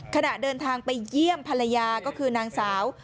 ขณะเดินทางไปเยี่ยมภรรยาก็คือนางสาว